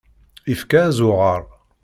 Ifka azuɣer.